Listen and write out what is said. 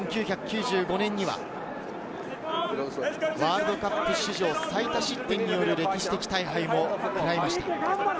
１９９５年にはワールドカップ史上最多失点による歴史的大敗もありました。